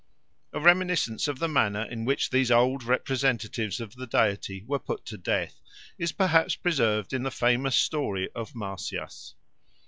A reminiscence of the manner in which these old representatives of the deity were put to death is perhaps preserved in the famous story of Marsyas.